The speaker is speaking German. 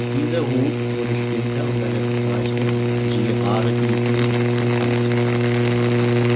Dieser Hut wurde später unter der Bezeichnung „Girardi-Hut“ bekannt.